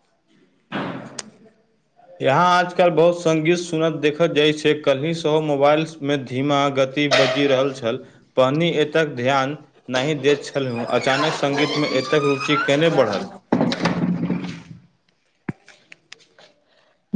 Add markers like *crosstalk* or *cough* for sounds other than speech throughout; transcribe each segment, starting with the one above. *unintelligible* यहााँ आजकल बहुत संगीत सुनत देखल जाय छै कली स मोबाइल में धीमा गति बजि रहल छल पहिनी एतक ध्यान नहि दैत छलहुँ अचानक सङ्गीतमे एतेक रुचि केने बढ़ल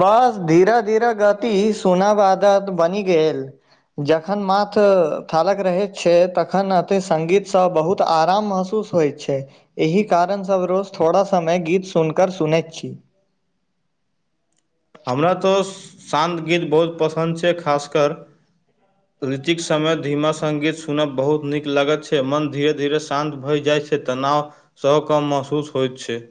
बस धीरे धीरे गति सुनाबादत बनि गेल जखन माथ थालक रहे छै तखन अथ संगगीत से बहुत आराम महसूस होइत छै एहि कारण सब रोज थोड़ा समय गीत सुनकऽ सुनैत छी हमरा तऽ शान्त गीत बहुत पसन्द छै खासकर रीतिक समय धीमा सङ्गीत सुनब बहुत नीक लगैत छै मन धीरे धीरे शान्त भऽ जाइ छै तनाव सँ कम महसूस होइत छै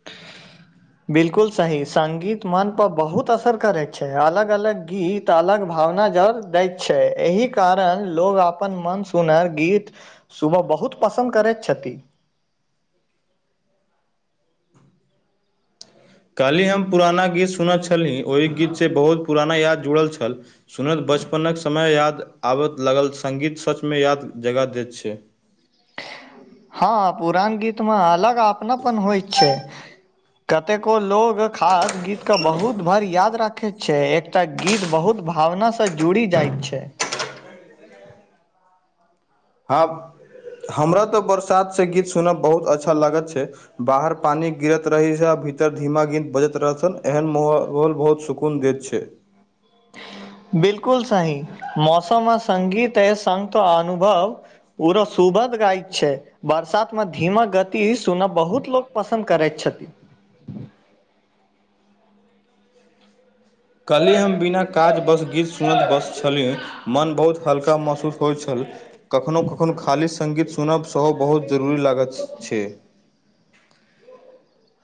*inaudible* बिल्कुल सही संगीत मन पर बहुत असर करे छै अलग अलग गीत अलग भावना जर दैत छै एहि कारण लोग अपन मन सुनर गीत सुबह बहुत पसन्द करैत छथिन काल्हिी हम पुराना गीत सुनैत छली ओहि गीतसँ बहुत पुराना याद जुड़ल छल सुनैत बचपनक समय याद आबय लागल सङ्गीत सचमे याद जगाँ दैत छै हँ पुरान गीतमे अलग अपना पन होइत छै कतेको लोग खास गीतके बहुत भरि याद राखैत छै एकटा गीत बहुत भावना से जुड़ी जाय छै हँ हमरा तऽ बरसातसँ गीत सुनऽ बहुत अच्छा लागत छै बाहर पानि गिरत रही छै आ भीतर धीमा गिनत बजत रहतन एहन महोल बहुत सुख सुकुन देत छै बिल्कुल सही मौसममे सगीत ए संगत अनुभव पूरा सुभध गायक छै बरसातमे धीमाक गति सुनब बहुत लोक पसन्द करैत छथि कल्हिी हम बिना काजवश गीत सुनैत बसै छलिय मोन बहुत हल्का महसूस होइ छल कखनो कखनो खाली सङ्गीत सुनब सेहो बहुत जरूरी लागैत छै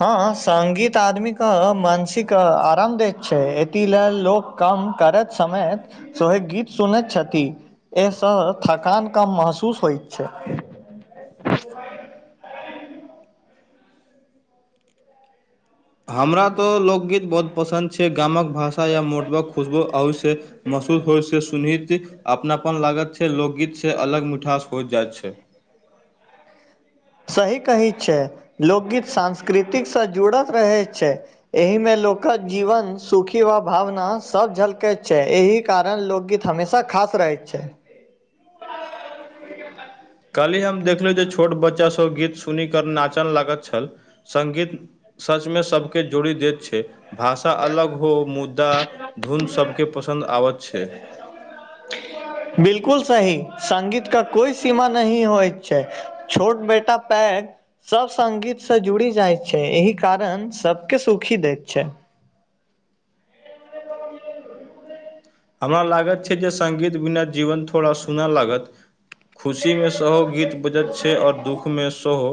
हँ सगीत आदमी कऽ मानसिक आराम दैत छै एती ल लोक काम करैत समयत सहे गीत सुनैत छथि एहिसँ थकान कम महसूस होइत छै *unintelligible* हमरा तऽ लोकगीत बहुत पसन्द छै गामक भाषा या मोटबा खुशबो अवश्य महसूस होइ से सुनहित अपनापन लागत छै लोकगीतसँ अलग मिठास हो जाइत छै सही कहै छै लोकगीत सांस्कृतिकसँ जुड़ल रहै छै एहि मे लोकक जीवन सुखी वा भावना सभ झलकैत छै एहि कारण लोकगीत हमेशा खास रहैत छै कल्हि हम देखलहुँ जे छोट बच्चासभ गीत सुनीकऽ नाचन लागैत छल संगीत सचमे सबके जोड़ी देत छै भाषा अलग हो मुद्दा धुन सभके पसन्द आबैत छै *inaudible* बिल्कुल सही संगीत के कोइ सीमा नहिही होइत छै छोट बेटा पैग सब सङगीतसँ जुड़ि जाइ छै एहि कारण सबके सुखी दैत छै हमरा लागत छै जे सँगीत बिना जीवन थोड़ा सुना लागत खुशीमे सेहो गीत बजैत छै आओर दुःखमे सेहो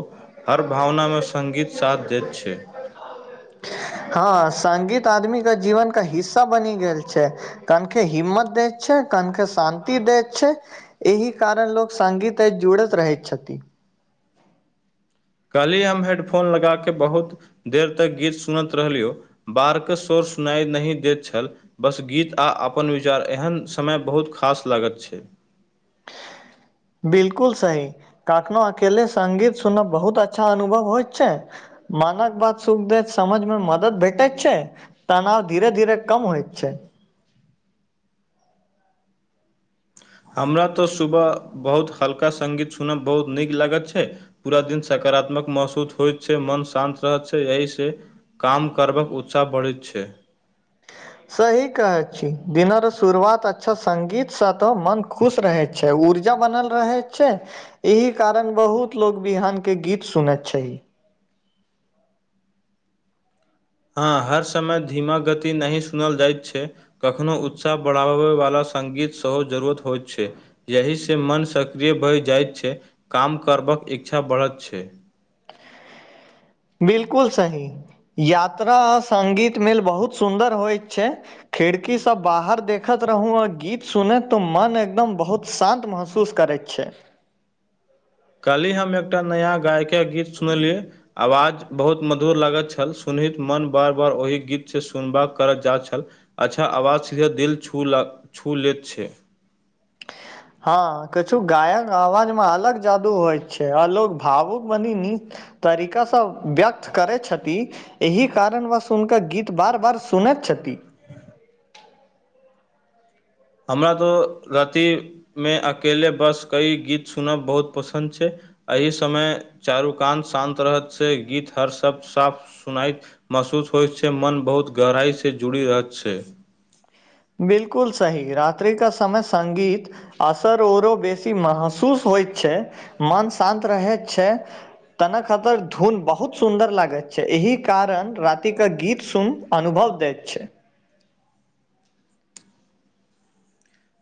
हर भावनामे सङ्गीत साथ दैत छै हँ संगीत आदमी के जीवन के हिस्सा बनि गेल छै कनखे हिम्मत दै छै कनखे शान्ति दै छै एहि कारण लोक सङ्गीत सँ जुड़ैत रहैत छथिन काल्हि हम हेडफोन लगा कऽ बहुत देर तक गीत सुनैत रहलियौ बाहरके सौर सुनाइ नहि दैत छल बस गीत आ अपन विचार एहन समय बहुत खास लागत छै बिल्कुल सही कखनो अकेले संगीत सुनब बहुत अच्छा अनुभव होइत छै मानक बात सुख द समझ मे मदद भेटैत छै तनाव धीरे धीरे कम होइ छै हमरा तऽ सुबह बहुत हल्का सङ्गीत सुनब बहुत नीक लागैत छै पूरा दिन सकारात्मक महसूस होइत छै मन शान्त रहैत छै एहिसँ काम करबक उत्साह बढ़ैत छै सही कहै छी दिनक शुरुआत अच्छा सङ्गीतसँ तऽ मोन खुश रहैत छै ऊर्जा बनल रहै छै एहि कारण बहुत लोग बिहन के गीत सुनैत छै हँ हर समय धीमा गति नहि सुनल जाइत छै कखनो उत्साह बढ़ाबयबला सङ्गीत सेहो जरूरत होइत छै यही सँ मन सक्रिय भहि जाइत छै काम करबाक इच्छा बढ़त छै बिल्कुल सही यात्रा आ सङ्गीत मेल बहुत सुन्दर होइत छै खिड़की सँ बाहर देखैत रहू आर गीत सुने तो मन एकदम बहुत शान्त महसूस महसूस करैत छै काल्हिी हम एकटा नया गायकके गीत सुनलियै आवाज बहुत मधुर लागैत छल सुनैत मन बार बार ओहि गीतसँ सुनबा करय जा छल अच्छा आवाज सीधे दिल छू छू लैत छै हँ कछु गायक आवाज में अलग जादु होय छै अलोग भावुक बनी न तरीका सँ व्यक्त करै छथि एहि कारणवश हुनकर गीत बार बार सुनैत छथि हमरा तऽ रतिमे अकेले बस कई गीत सुनब बहुत पसन्द छै एहिह समय चारु कान शान्त रहत से गीत हर सप साफ सुनात महसूस होइ छै मन बहुत गहराई सऽ जुड़ी रहत छै बिल्कुल सही रात्रि के समय सङ्गीत असर आओरो बेसी महसूस होइ छै मन शान्त रहैत छै तन खतर धुन बहुत सुन्दर लागैत छै एहि कारण राातिके गीत सुन अनुभव दैत छै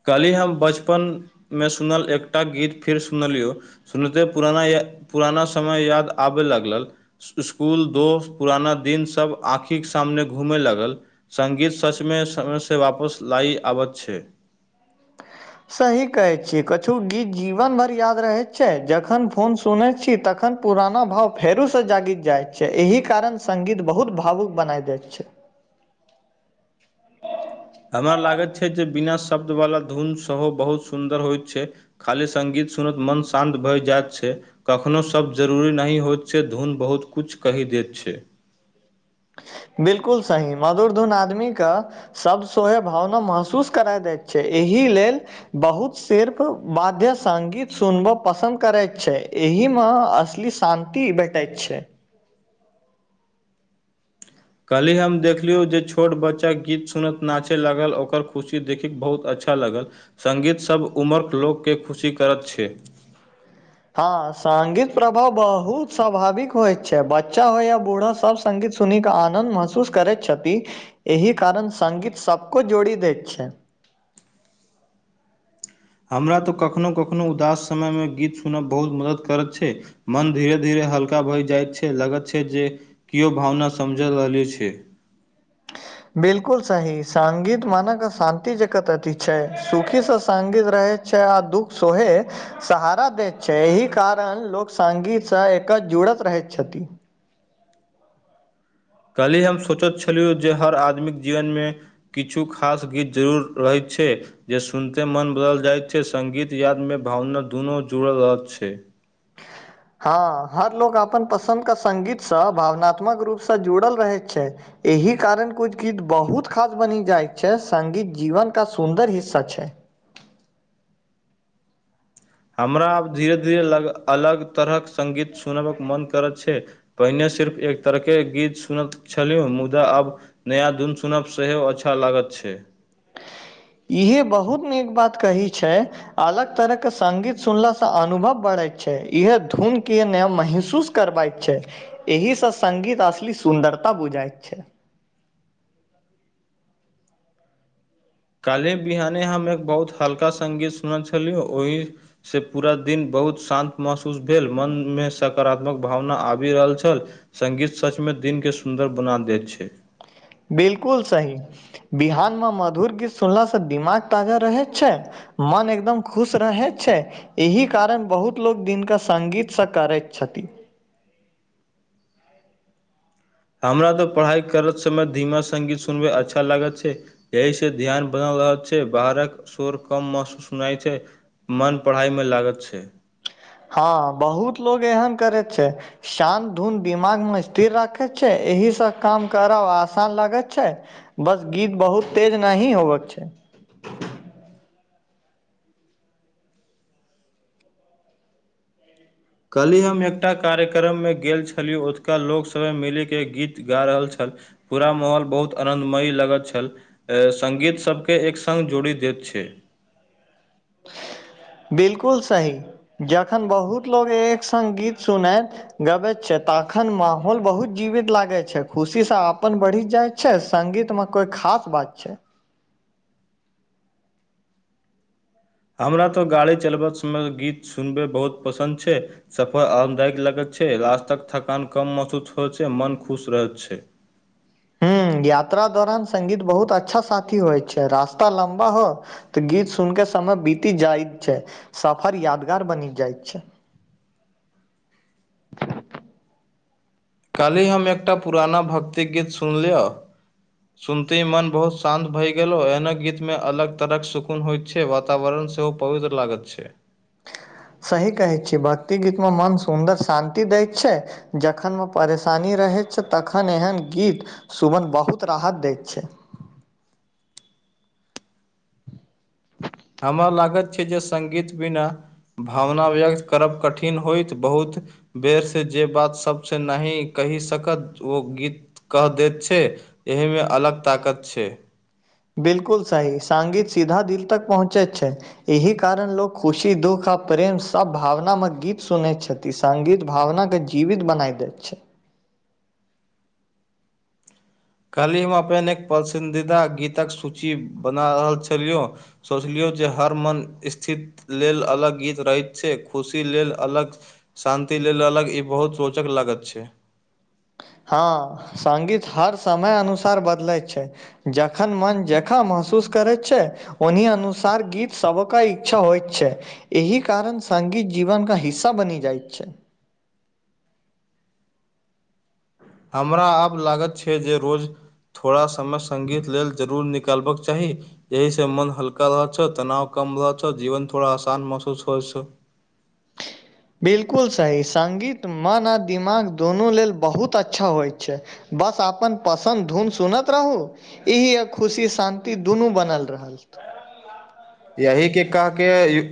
काल्हि हम बचपनमे सुनल एकटा गीत फेर सुनलियौ सुनते पुराना य पुराना समय याद आबय लागलल स्कुल दोस्त पुराना दिनसभ आँखिके सामने घूमय लगल सङ्गीत सचमे समयसँ वापस लाइ आबैत छै *inaudible* सही कहैत छियै कछु गीत जीवन भर याद रहैत छै जखन फोन सुनैत छी तखन। पुराना भाव फेरो से जागि जाय छै एहि कारण सगीत बहुत भावुक बनाय देय छै। हमरा लागैत छै जे बिना शब्द वालला धुन सेहो बहुत सुन्दर होइत छै। खाली संगीतसुनत मन शान्त भए जायइत छै। कखनो शब्द जरूरी नहि होइत छै धुन बहुत किछु कहि दैत छै बिलकुल सही मधुर धुन आदमीे कऽ सभ सोहे भावना महसूस करा दैत छै एहि लेल बहुत सिर्फ बध्य सगीत सुनबय पसन्द करैत छै एहिमे असली शान्ति भेंटाइत छै कहली हम देखलियौ जे छोट बच्चा गीत सुन क नाचिऽलागल ओकर खुशी देखय बहुत अच्छा लागल संगीतसब उम्रक लोककेँ खुशी करत छै। हँ सगीत प्रभाव बहुत स्वाभाविक होयत छै बच्चा होय या बूढ़ा सब। संगीत सुन कऽ आनन्द महसूस करैत छथि। एहि कारण सांगीत सभको जोड़ि दैत छै। हमरा तऽ कखनो कखनो उदास समयमे गीत सुनब बहुत मदद करैत छै। मन धीरे धीरे हल्का भई जाइत छै लगत छै जे कियो भावना समझ लगली छै। बिलकुल साही सगीत मान के शान्ति जगत ठीक छै सुखी से सगीत रहै। *unintelligible* छैआ आ दुःख सोहे। सहारा दैत छै, एहि कारण लोक संगीत स एकर जुड़त रहैत छथिन। कल्ही हम सोचैत छलियौ जे हर आदमीके जीवनमे। किछु खास गीत जरूर रहैत छै। जे सुनिते मन बदल जाइत छै संगीत यादमे भावना दुनू जुड़ल रह छै। *inaudible* हँ हर लोक अपन पसन्द क संगीतसँ भावनात्मक रूपसँ जुड़ल रहैत छै। एहि कारण कुछ गीत बहुत खास बनि जाय छै सगीत जीवन का सुन्दर हिस्सा छै। हमरा आब धीरे धीरे लग अलग तरहक संगीत सुनबक मोन करैत छै। पहिने सिर्फ एक तरहके गीत सुनैत छलिय मुदा आब। नया धुन सुनब सेहो अच्छा लागत छै। इहे बहुत नीक बात कही छै। अलग तरह के संगगीत सुनलासँ अनुभव बढ़ैत छै इह धुन के नय महसूस। करबाइत छै एहिसँ संगगीत असली सुन्दरता बुझाइत छै। काल्हि बिहाने हम एक बहुत हल्का सगीत सुनल छलिय ओहि। से पूरा दिन बहुत शान्त महसूस भेल मन मे सकारात्मक भावना आबि रहल छल। संगीत सचमे दिनके सुन्दर बना दैत छै। बिलकुल सही। बिहान म मधुर गीत सुनलास से दिमाग ताजा रहै छै। मन एकदम खुश रहै छै। एहि कारण बहुत लोको दिनक सगीतसँ करैत छथिन। हमरा तऽ पढ़ाइ करत समय धीमा संगीत सुनबमे अच्छा लागत छै। यह से ध्यान बनलरह छै बाहरक शोर कम महसूस सुनाइ छै। मन पढ़ाइमे लागत छै। हँऽ बहुत लोग एहन करैत छै। शान्त धुन दिमागमे स्थिर राखैत छै, एहि स काम करब आसान लगैत छै। बस गीत बहुत तेज नाही होबकऽ छै। कल्हि हम एकटा कार्यक्रममे गेल छलियो ओतुका लोक सभ मिलिके गीत गा रहल छल। पूरा माहौल बहुत आनदमयी लगत छल। सङ्गीत सभकेँ एक सङ्ग जोड़ि दैत छै। *unintelligible* *inaudible* बिल्कुल सही जखन बहुत लोक एक सङ्ग गीत सुनथि। गबैत छै तऽ तखन माहौल बहुत जीवित लागे छै खुशी सऽ अपन बढ़ी जात छै संगीतमे कोइ खास बात छै हमरा तऽ गाड़ी चलबैत समय गीत सुनबै बहुत पसन्द छै सफर आरामदायक लगेत छे रास्ताके थकान कम महसूस होइत छै मन खुश रहैत छै हु यात्रा दौरान संगीत बहुत अच्छा साथी होइ छै रास्ता लम्बा हो तऽ गीत सुन कऽ समय बीति जाइत छै सफर यादगार बनि जाइत छै। काल्हि हम एकटा पुराना भक्ति गीत सुनि लिअ। सुनते मन बहुत शान्त भय गेल एहना गीत मे अलग तरह के सुकून होयत। छै वातावरण सेहो पवित्र लागत छै। सही कहै छीय भक्ति गीतं मऽ मन सुन्दर शान्ति दैत छै। जखनमे परेशानी रहैत छै, तखन एहन गीत। सुमन बहुत राहत दैत छै *unintelligible* हमरा लागैत छै जे सङ्गीत बिना भावना व्यक्त करब कठिन होइत बहुत बेर सँ जे बात सबसे नाहीं कही सकत ओ गीत कह दैत छै एहीमे अलग ताकत छै बिल्कुल सही सांङ्गीत सीधा दिल तक पहुँचैत छै एही कारण लोक खुशी दुःख आ प्रेम सभ भावनामे गीत सुनैत छत ई संगीत भावनाके जीवित बनाइ दैत छै काल्ही हम अपना एक पसंदीदा गीतक सूची बना रहल छलियौ सोचलियौ जे हर मन स्थित लेल अलग गीत रहैत छै खुशी लेल अलग शान्ति लेल अलग ई बहुत सोचक लागत छै हँ सङ्गीत हर समय अनुसार बदलैत छै जखन मन जखं महसूस करैत छै उन्ही अनुसार गीत सब कऽ इच्छा होइत छै एही कारण संगीत जीवनके हिस्सा बनी जाइत छै हमरा आब लागत छै जे रोज थोड़ा समय संगीत लेल जरूर नि कालबक चाही एहि सऽ मन हल्का रह छौ तनाव कम रह छौ जीवन थोड़ा आसान महसूस होइ छौ बिल्कुल सही सङ्गीत मन आ दिमाग दोनों लेल बहुत अच्छा होइत छै बस अआपन पसंद धुन सूनेत रहू ई आ खुशी शान्ति दूनू बनल रहल यही के कहके यू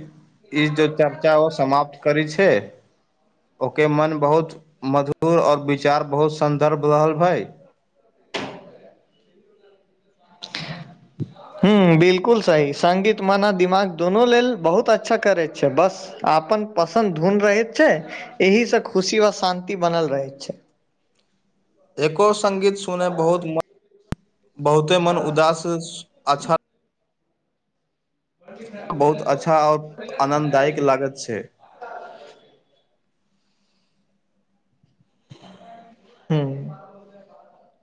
ई जो चर्चा ओ समाप्त करे छै ओके मन बहुत मधुर और विचार बहुत सन्दर्भ रहल भै *inaudible* हू बिलकुल सही सङ्गीत मन आ दिमाग दोनो लेल बहुत अच्छा करैत छै बस अपन पसन्द धुन रहैत छै एही सँ खुशी व शान्ति बनल रहैत छै एको संगीत सुनब बहुत मन बहुते मन उदास सु अच्छा बहुत अच्छा और आनन्ददायक लागत छै हूं